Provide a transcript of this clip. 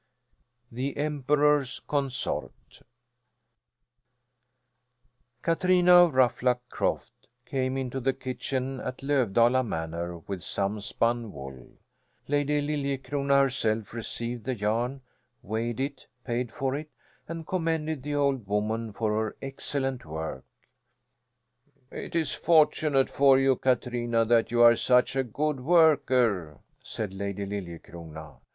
THE EMPEROR'S CONSORT Katrina of Ruffluck Croft came into the kitchen at Lövdala Manor with some spun wool. Lady Liljecrona herself received the yarn, weighed it, paid for it, and commended the old woman for her excellent work. "It's fortunate for you, Katrina, that you are such a good worker," said Lady Liljecrona.